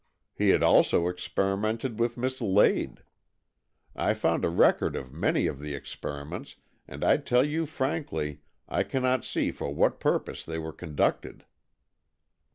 He had also experimented AN EXCHANGE OF SOULS 95 with Miss Lade. I found a record of many of the experiments, and I tell you frankly I cannot see for what purpose they were conducted.